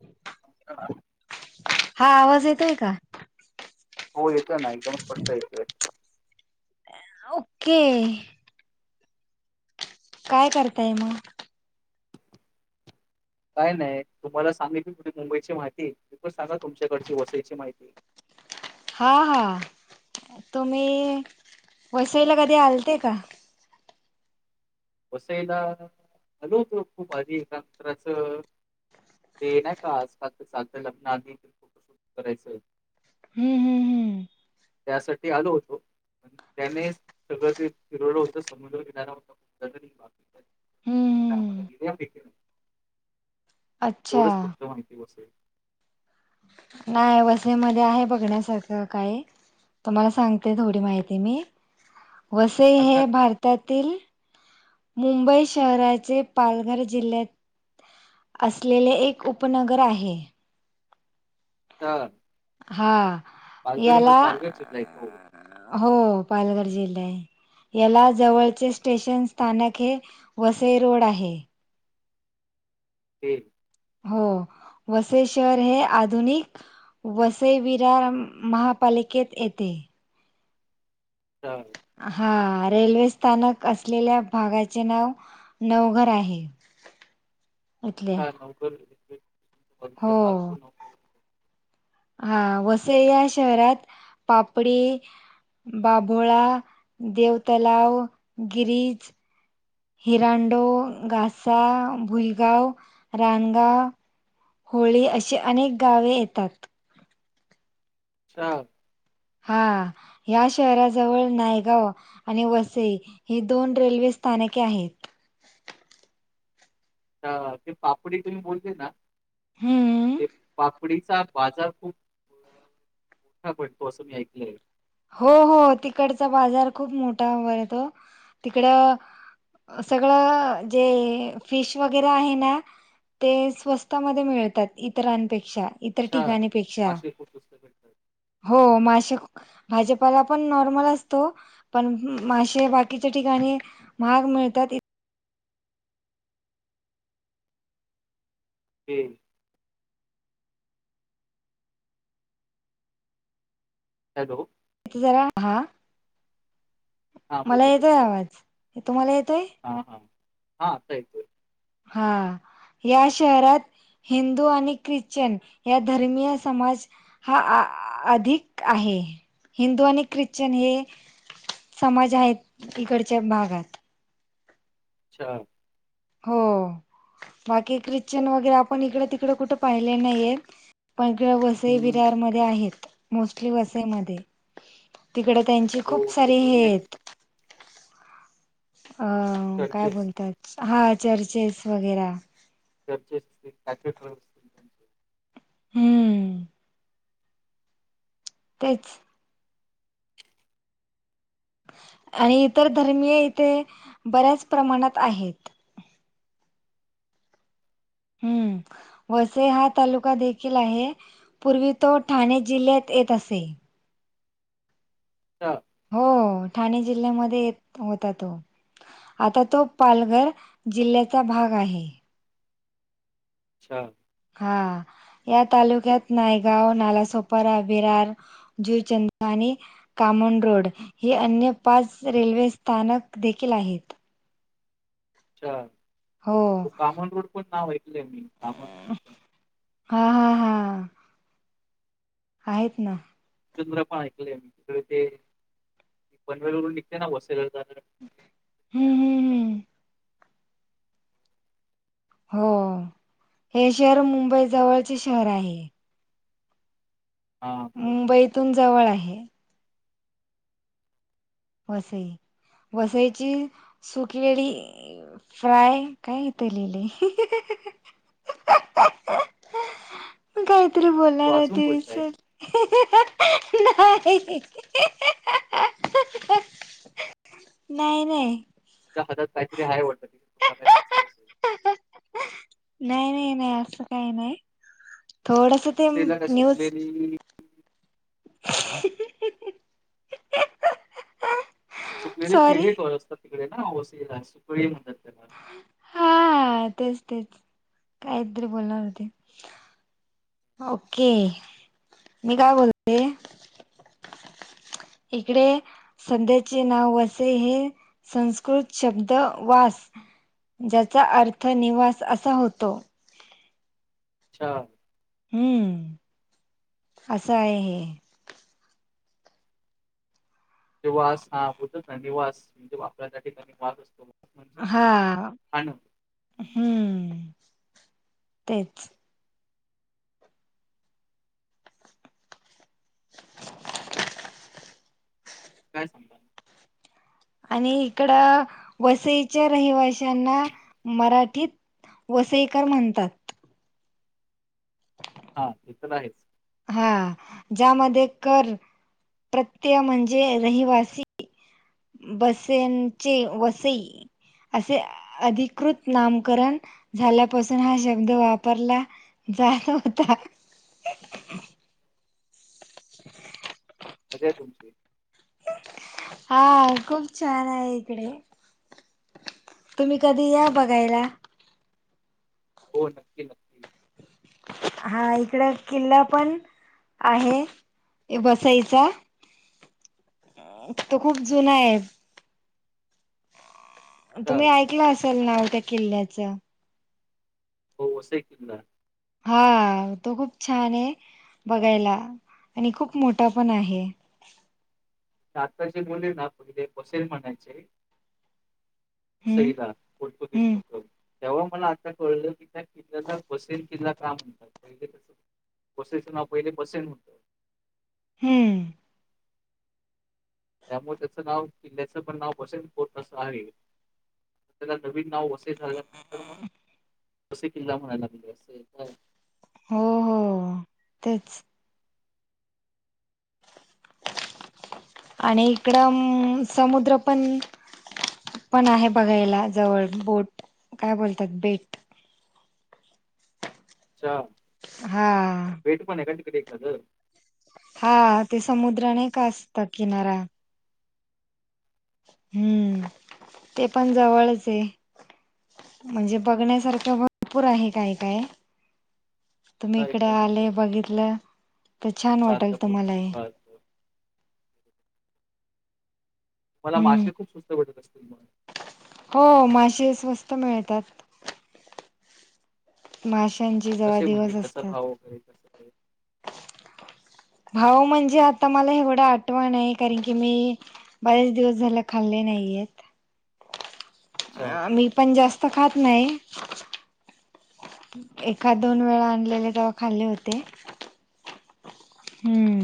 ह [unintelligible] ह [inaudible] [unintelligible] हा आवाज येतोय का? हो येतोय ना एकदम स्पष्ट येतोय ओके काय करताय मग? काय नाही तुम्हाला सांगीतली मी पूर्ण मुंबईची माहिती, तुम्ही पण सांगा तुमच्याकडची वसईची माहिती हा हां तुम्ही वसईला कधी आलते का? वसईला आलो होतो खूप आधी एमंत्रचं [unintelligible] ते नाही का आजकाल साधं लग्न आधी फोटोशूट करायचं? हम् हम त्यासाठी आलो होतो. त्यानेच सगळं ते फिरवल होतं समुद्र किनारा हो ख बा [unintelligible] हम्म आम्हाला हम्म दिल्यापैेने [unintelligible] अच्छा तेवढच फक्त माहिती बसेल [unintelligible] नाही वसई मध्ये आहे बघण्यासारखं काय? तुम्हाला सांगते थोडी माहिती मी वसई सांगा हे ना. भारता तातील मुंबई शहराचे पालघर जिल्ह्यात असलेले एक उपनगर आहे. हा हा याला पालघर जिल्हा येतो हो पालघर जिल्हा आहे. याला जवळचे स्टेशन स्थानक हे वसई रोड आहे. हे हो वसई शहर हे आधुनिक वसई विरार महापालिकेत येते. हा हा रेल्वे स्थानक असलेल्या भागाचे नाव नवघर आहे. इथल्या का नवकरतो हो [inaudible] हा वसई या शहरात पापडी बाभोळा देव तलाव, गिरीज हिरांडो, घासा, भुलगाव, रानगाव होळी अशी अनेक गावे येतात. अच्छा हा या शहराजवळ नायगाव आणि वसई ही दोन रेल्वे स्थानके आहेत. ते पापडी तुम्ही बोलते ना हम्म तेप कपडीचा बाजार खूप मोठा पडतो असं मी ऐकलंय हो हो तिकडचा बाजार खूप मोठा वर य तो तिकड सगळं जे फिश वगैरे आहे ना, ते स्वस्त मध्ये मिळतात इतरांपेक्षा इतर अच्छा, ठिकाणीपेक्षा मासे खूप स्वस्त भेटतात. हो मासे भाजपाला पण नॉर्मल असतो. पण मासे बाकीच्या ठिकाणी महाग मिळतात. हि हॅलो, जरा हा, हां मला बोला, येतोय आवाज तुम्हाला येतोय. हा हां हा आता येतोय हा या शहरात हिंदू आणि ख्रिश्चन या धर्मीय समाज हा अधिक आहे हिंदू आणि ख्रिश्चन हे समाज आहेत इकडच्या भागात अच्छा हो बाकी ख्रिश्चन वगैरे आपण इकडं तिकडं कुठे पाहिले नाहीयेत. पण इकडं वसई हं. विरारमध्ये आहेत मोस्टली वसईमध्ये तिकड त्यांची हो, खूप ते सारे हे जुने आहेत. अ काय चर्चेस बोलतात हा चर्चेस वगैरा त्यांचेच ते हॅपी क्लब हुं तेच [unintelligible] आणि इतर धर्मीय इथे बऱ्याच प्रमाणात आहेत. हम्म वसई हा तालुका देखील आहे. पूर्वी तो ठाणे जिल्ह्यात येत असे. ता हो हो ठाणे जिल्ह्यामध्ये येत होता तो. आता तो पालघर जिल्ह्याचा भाग आहे. अच्छा हा या तालुक्यात नायगाव, नालासोपारा, विरार ज्यूचंदानी कामन रोड हे अन्य पाच रेल्वे स्थानक देखील आहेत. अच्छा हो कामन रोड पण नाव ऐकलं आहे मी कामन स्टेशन हा हा हा आहेत ना. चुंद्र पण ऐकलंय मी तिकडे ते पनवेलवरून निघते ना वसईकडे जाताना हुं हुं हुं हो हे शहर मुंबई जवळचे शहर आहे. हां बरोबर इथून जवळ आहे. वसई वसईची सुकलेली फ्राय काय हित लिहिलंय? मी काहीतरी बोलणार वाचून होती बोलताय विसरली. [unintelligible] नाही [unintelligible] नाही नाही तुमच्या हातात काहीतरी आहे वाटतं असेल नाही, नाही, नाही असं काही नाही. थोडसं ते वसईला काय न्यूज सुकलेली [unintelligible] सुकलेले सॉरी केळी असतात तिकडे ना वसईला सुकळी म्हणतात त्याला हा तेच तेच काहीतरी बोलणार होते. ओके मी काय बोलते. इकडे संध्याचे नाव वसई हे संस्कृत शब्द वास ज्याचा अर्थ निवास असा होतो. अच्छा हम्म असं आहे हे. वास हा बतच निवास म्हणजे आपला ज्या ठिकाणी निवास असतो. म्हणजे हा खाणं हं, हुं तेच काय सांगा आणि इकड वसईच्या रहिवाशांना मराठीत वसईकर म्हणतात हा ते तर तर आहेच हा ज्यामध्ये कर प्रत्यय म्हणजे रहिवासी बसेंचे वसई असे अधिकृत नामकरण झाल्यापासून हा शब्द वापरला जाहल होता मजा आहे तुमची हा खूप छान आहे इकडे तुम्ही कधी या बघायला हो नक्की नक्की हा इकड किल्ला पण आहे बसईचा तो खूप जुना आहे अच्छा तुम्ही ऐकलं असेल नाव त्या किल्ल्याचं हो वसइ किल्ला हा तो खूप छान आहे बघायला आणि खूप मोठा पण आहे आता जे बोलले ना पहिले बसेल म्हणायचे हम्म [unintelligible] पोर्तुगीज हम्म लोक तेव्हा मला कळलं क त्या किल्याला वसई किल्ला का म्हणतात पहिले तसं वसईच नाव पाहिलं बसई होतं हम्म त्यामुळे त्याचं नाव किल्ल्याचं पण नाव वसंत फोर्ट असं आहे त्याला नवीन नाव असे झाल्यानंतर मग असे किल्ला म्हणायला लागले असे हो हो तेच आणि इकडं समुद्र पण पण आहे बघायला जवळ बोट काय बोलतात बेट अच्छा हा बेट पण आहे का तिकड एखाद हा ते समुद्र नाही का असत किनारा हम्म ते पण जवळच ये म्हणजे बघण्यासारखं भरपूर आहे काय काय तुम्ही पुन्हा इकडे एकदम आले असं बघितलं तर छान पार्कला वाटेल तुम्हाला पोर्तुगीज ही पार्क. मला हम्म मासे खूप स्वस्त वाटत असतील मग हो मासे स्वस्त मिळतात माशांचे जवा कसे म्हणजे दिवस कसा भाव असतात वगैरे कसं आहे? भाव म्हणजे आता मला एवढं आठवण आहे कारण की मी बरेच दिवस झाले खाल्ले नाहीयेत अच्छा. अ मी पण जास्त खात नाही एखाद दोन वेळा आणलेले तवा खाल्ले होते हम्म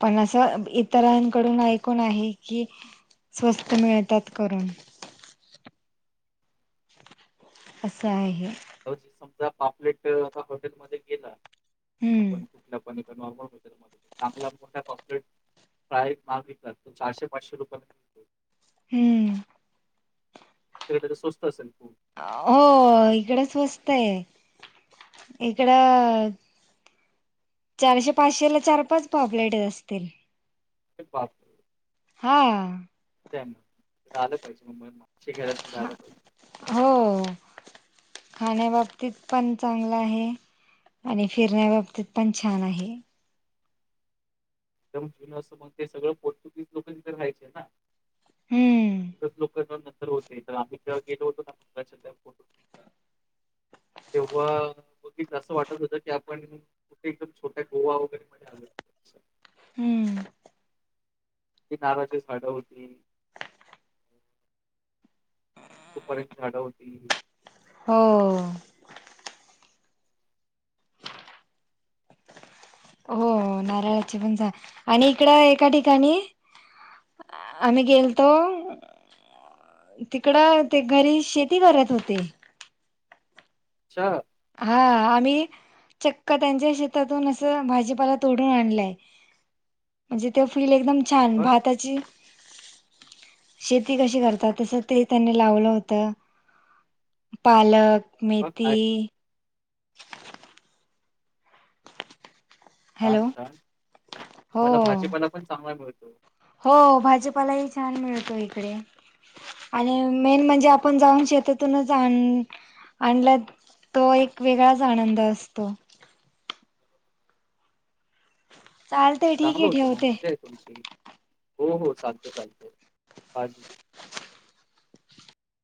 पण असं इतरांकडून ऐकून आहे की स्वस्त मिळतात करून असं आहे जर समजा पापलेट आता हॉटेलमध्ये गेला हम्म आपण कुठल्या पण नॉर्मल व चांगला मोठा पॉपलेट फ्राय मागितला तर चारशे पाचशे रुपया हम्म तिकडे स्वस्त असेल खूप हो इकड स्वस्त आहे इकडं चारशे पाचशे ला चार पाच पॉपलेट असतील एक बात हा त्या म राहिलं पाहिजे मुंबई माग घयला त राहिला पाहिजे. हो खाण्या बाबतीत पण चांगलं आहे. आणि फिरण्या बाबतीत पण छान आहे. एकदम जुनं म्हण ते सगं पोर्तुगीज लोक तिथ राहायचे ना. हम्म लोकां नंतर होते तर आम्ही तेव्हा गेलोतो ना फोटो तेव्हा बघीच असं वाटत होतं की आपण कुठे एकदम छोट्या गोवा वगैरे मध्ये आलो. होतो. हम्म ती नारळाची झाडं होती. खप परे झाड होती हो हो नारळाची पण जा आणि इकड एका ठिकाणी आम्ही गेलतो. तिकडं ते घरी शेती करत होते. अच्छा हा आम्ही चक्क त्यांच्या शेतातून असं भाजीपाला तोडून आणलंय. म्हणजे ते फील एकदम छान बघ भाताची शेती कशी करतात तस ते त्यांनी लावलं होतं. पालक बघ मेथी छान हॅलो छान हो तुम्हाला भाजीपाला पण चांगलाय मिळतो. हो भाजी पालाही छान मिळतो इकडे. आणि मेन म्हणजे आपण जाऊन शेतातूनच आण आणला तो एक वेगळाच आनंद असतो. चालते ठीक चांगलं आहे होतं मग ठेवते मजा आहे तुमची हो हो चालतंय चालतंय